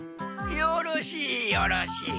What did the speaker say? よろしいよろしい！